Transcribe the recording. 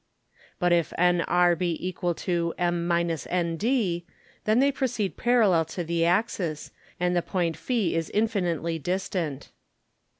But if nr be equal to m nd, then they proceed parallel to the Axis, and the Point φ is infinitely distant.